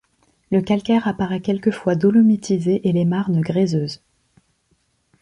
Le calcaire apparaît quelques fois dolomitisé et les marnes gréseuses.